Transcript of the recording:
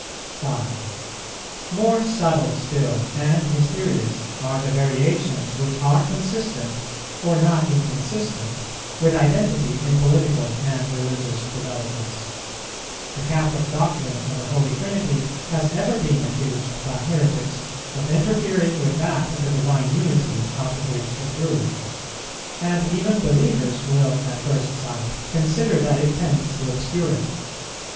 5. More subtle still and mysterious are the variations which are consistent or not inconsistent with identity in political and religious developments. The Catholic doctrine of the Holy Trinity has ever been accused by heretics of interfering with that of the Divine Unity out of which it grew, and even believers will at first sight consider that it tends to obscure it.